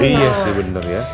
iya sih bener ya